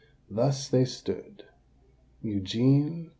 Thus they stood:— EUGENE.